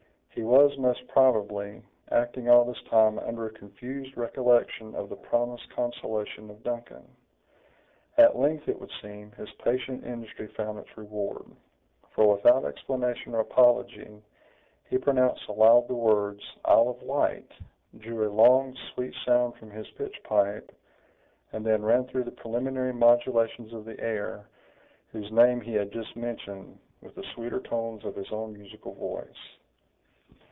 He was, most probably, acting all this time under a confused recollection of the promised consolation of Duncan. At length, it would seem, his patient industry found its reward; for, without explanation or apology, he pronounced aloud the words "Isle of Wight," drew a long, sweet sound from his pitch pipe, and then ran through the preliminary modulations of the air whose name he had just mentioned, with the sweeter tones of his own musical voice.